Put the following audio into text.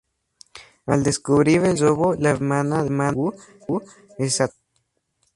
Al descubrir el robo, la hermana de Wu es atacada.